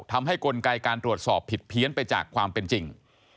กลไกการตรวจสอบผิดเพี้ยนไปจากความเป็นจริง